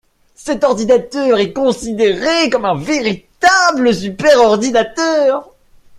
Cet ordinateur est considéré comme un véritable superordinateur.